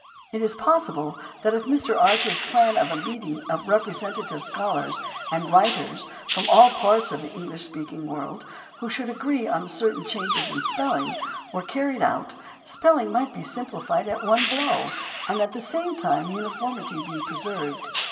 It is possible that if Mr. Archer's plan of a meeting of representative scholars and writers from all parts of the English speaking world, who should agree on certain changes in spelling, were carried out spelling might be simpli fied at one blow and at the same time uniformity be preserved.